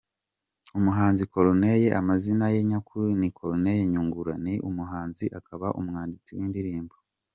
Umuhanzi Corneille amazina ye nyakuri ni Cornelius Nyungura, ni umuhanzi akaba umwanditsi w’indirimbo.